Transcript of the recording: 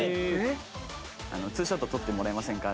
２ショット撮ってもらえませんかって